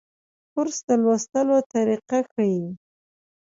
کورس د لوستلو طریقه ښيي.